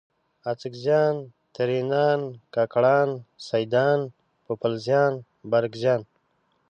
اڅکزیان، ترینان، کاکړان، سیدان ، پوپلزیان، بارکزیان